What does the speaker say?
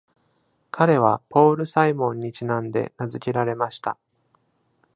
彼はポール・サイモンにちなんで名付けられました。